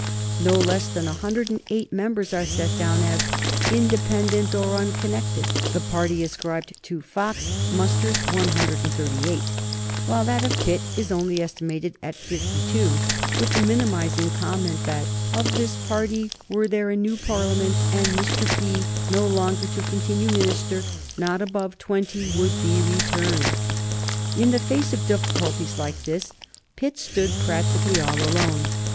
No less than 108 members are set down as "independent or unconnected;" the party ascribed to Fox musters 138, while that of Pitt is only estimated at 52, with the minimizing comment that "of this party, were there a new Parliament, and Mr. P. no longer to continue minister, not above twenty would be returned." In the face of difficulties like these Pitt stood practically alone.